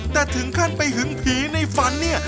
แต่ถึงขั้นไปหึงผีในฝันเนี่ย